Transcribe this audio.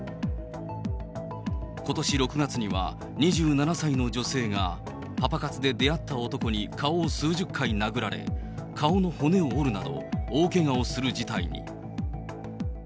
ことし６月には、２７歳の女性が、パパ活で出会った男に顔を数十回殴られ、顔の骨を折るなど、大けがをする事態に。